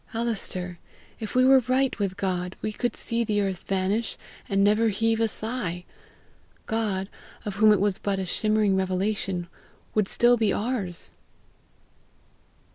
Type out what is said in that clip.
Alister, if we were right with God, we could see the earth vanish and never heave a sigh; God, of whom it was but a shimmering revelation, would still be ours!"